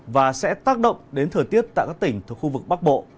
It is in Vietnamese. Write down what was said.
và sẽ tác động đến thời tiết tại các tỉnh thuộc khu vực bắc bộ